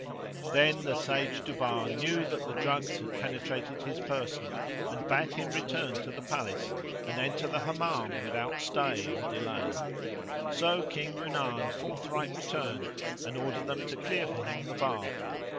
Then the sage Duban knew that the drugs had penetrated his person and bade him return to the palace and enter the Hammam without stay or delay; so King Yunan forthright returned and ordered them to clear for him the bath.